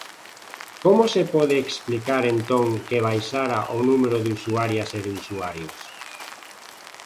¿Como se pode explicar entón que baixara o número de usuarias e de usuarios?